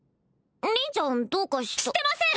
凛ちゃんどうかしたしてません！